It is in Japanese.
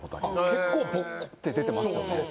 結構ボコって出てますよね